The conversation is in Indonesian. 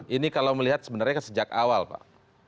ini kalau melihat sebenarnya sejak awal pak